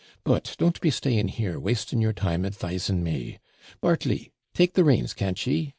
But don't be staying here, wasting your time, advising me. Bartley! take the reins, can't ye?'